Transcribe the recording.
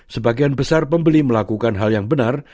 sebagian besar pembeli melakukan hal yang benar